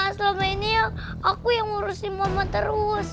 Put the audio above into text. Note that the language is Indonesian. selama ini aku yang urusin mama terus